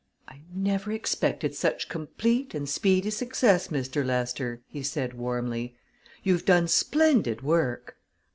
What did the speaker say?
"I never expected such complete and speedy success, Mr. Lester," he said warmly. "You've done splendid work."